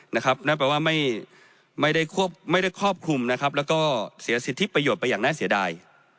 นั่นแปลว่าไม่ได้ครอบคลุมนะครับแล้วก็เสียสิทธิประโยชน์ไปอย่างน่าเสียดาย